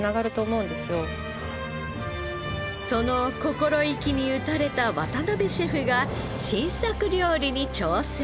その心意気に打たれた渡辺シェフが新作料理に挑戦。